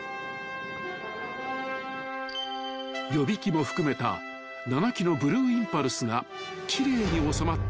［予備機も含めた７機のブルーインパルスが奇麗に収まっている］